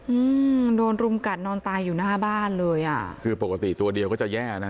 อืมโดนรุมกัดนอนตายอยู่หน้าบ้านเลยอ่ะคือปกติตัวเดียวก็จะแย่นะ